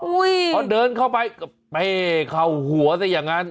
อุ้ยเพราะเดินเข้าไปเข้าหัวซะอย่างนั้น